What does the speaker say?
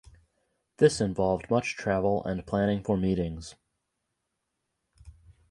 This involved much travel and planning for meetings.